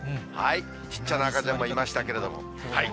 ちっちゃな赤ちゃんもいましたけれども。